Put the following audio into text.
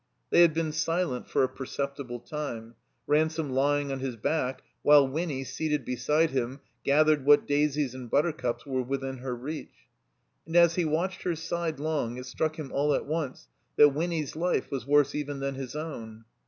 They had been silent for a perceptible time, Ran some lying on his back while Winny, seated beside him, gathered what daisies and buttercups were within her reach. And as he watched her sidelong, it struck him all at once that Winny's life was worse even than his own.